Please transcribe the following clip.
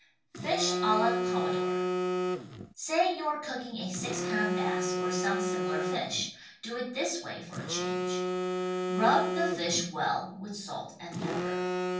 FISH A LA COMMODORE Say you are cooking a six pound bass or some similar fish — do it this way for a change: Rub the fish well with salt and pepper.